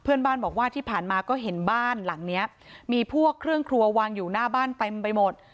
เพื่อนบ้านบอกว่าที่ผ่านมาก็เห็นบ้านหลังเนี้ยมีพวกเครื่องครัววางอยู่หน้าบ้านเต็มไปหมด